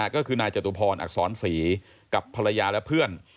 ก็คือนายจตุพรอักษรศรีกับภรรยาและเพื่อน